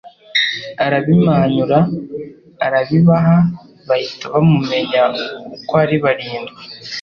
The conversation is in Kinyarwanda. Arabimanyura arabibaha, bahita bamumenya uko ari barindwi.